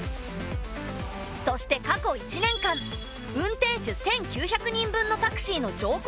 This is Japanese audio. そして過去１年間運転手１，９００人分のタクシーの乗降データ。